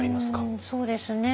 そうですね。